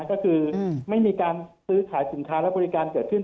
ก็คือไม่มีการซื้อขายสินค้าและบริการเกิดขึ้น